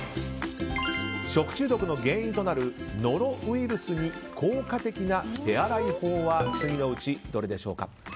食中毒の原因となるノロウイルスに効果的な手洗い法は次のうちどれでしょう。